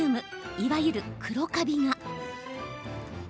いわゆる黒カビが。